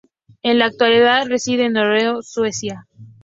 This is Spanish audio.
En la actualidad reside en Örebro, Suecia.